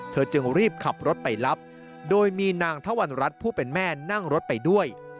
จึงรีบขับรถไปรับโดยมีนางทวรรณรัฐผู้เป็นแม่นั่งรถไปด้วย